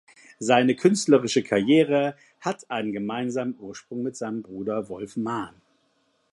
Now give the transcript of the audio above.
Seine künstlerische Karriere hat einen gemeinsamen Ursprung mit seinem Bruder Wolf Maahn.